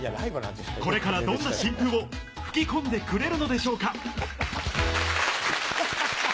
これからどんな新風を吹き込んでくれるのでしょうか。